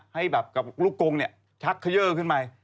ให้แบบกับลูกกงชักเขย่อขึ้นไป